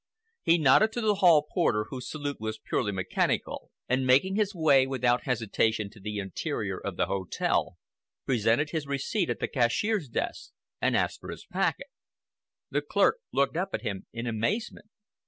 He nodded to the hall porter, whose salute was purely mechanical, and making his way without hesitation to the interior of the hotel, presented his receipt at the cashier's desk and asked for his packet. The clerk looked up at him in amazement.